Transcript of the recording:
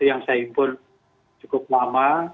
yang saya impun cukup lama